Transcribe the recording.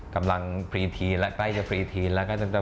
กำลังฟรีทีนและใกล้จะฟรีทีนแล้วก็